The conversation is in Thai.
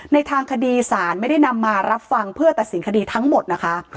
ในทางคดีศาลไม่ได้นำมารับฟังเพื่อตัดสินคดีทั้งหมดนะคะ